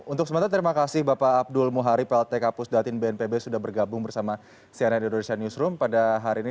untuk sementara terima kasih bapak abdul muhari plt kapus datin bnpb sudah bergabung bersama cnn indonesia newsroom pada hari ini